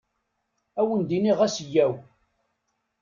Ad wen-d-iniɣ ɣas yyaw.